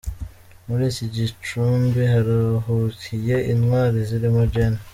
Muri iki gicumbi haruhukiye Intwari zirimo Gen.